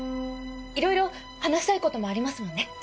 いろいろ話したいこともありますもんね。